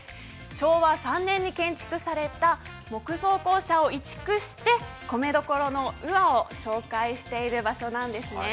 昭和３年に建築された木造校舎を移築して米どころ宇和を紹介している場所なんですね。